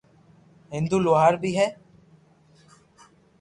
ھندو لوھار بي ھي